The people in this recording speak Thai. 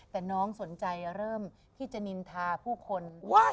แต่น้องสนใจเริ่มที่จะนินทาผู้คน